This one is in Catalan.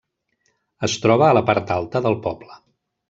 Es troba a la part alta del poble.